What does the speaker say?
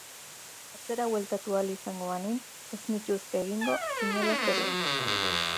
Atzera bueltatu ahal izango banintz, ez nituzke egingo, inolaz ere ez.